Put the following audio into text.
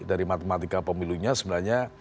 dari matematika pemilunya sebenarnya